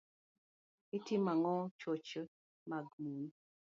itimo ang'o e choche mag mon